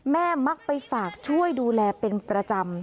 มักไปฝากช่วยดูแลเป็นประจำ